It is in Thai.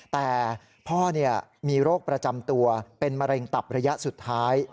แต่พ่อมีโรคประจำตัวเป็นมะเร็งตับระยะสุดท้าย